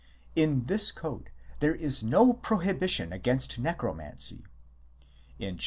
l In this code there is no prohibition against Necromancy ; in xxii.